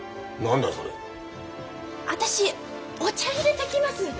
私お茶いれてきます。